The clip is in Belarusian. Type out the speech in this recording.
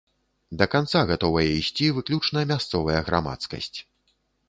Да канца гатовая ісці выключна мясцовая грамадскасць.